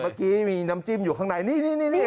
เมื่อกี้มีน้ำจิ้มอยู่ข้างในนี่